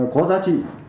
có giá trị